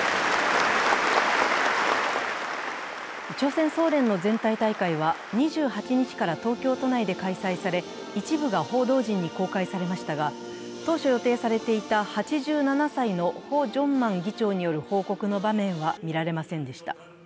朝鮮総連の全体大会は２８日から東京都内で開催され一部が報道陣に公開されましたが、当初予定されていた８７歳のホ・ジョンマン議長による報告の場面は見られませんでした。